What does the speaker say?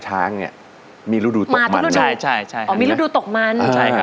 ช้างเนี้ยมีฤดูตกมันด้วยใช่ใช่อ๋อมีฤดูตกมันใช่ค่ะ